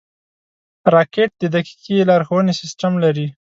راکټ د دقیقې لارښونې سیسټم لري